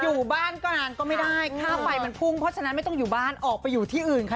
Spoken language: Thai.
อยู่บ้านก็นานก็ไม่ได้ค่าไฟมันพุ่งเพราะฉะนั้นไม่ต้องอยู่บ้านออกไปอยู่ที่อื่นค่ะ